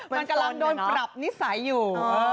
มันกำลังโดนปรับนิสัยอยู่